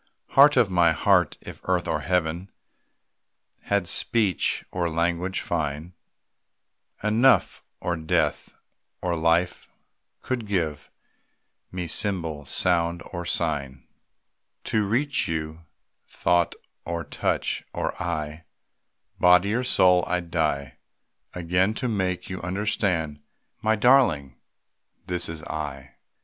Heart of my heart! if earth or Heaven Had speech or language fine Enough, or death or life could give Me symbol, sound, or sign To reach you thought, or touch, or eye, Body or soul I 'd die Again, to make you understand: My darling! This is _I!